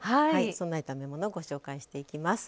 そんな炒め物ご紹介していきます。